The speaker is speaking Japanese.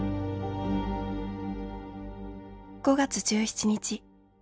「５月１７日。